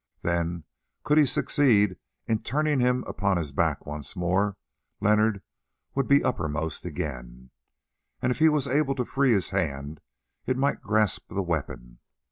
Then, could he succeed in turning him upon his back once more, Leonard would be uppermost again, and if he was able to free his hand it might grasp the weapon.